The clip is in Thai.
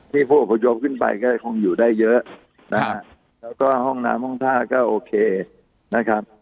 ผู้อพยพขึ้นไปก็คงอยู่ได้เยอะนะฮะแล้วก็ห้องน้ำห้องท่าก็โอเคนะครับ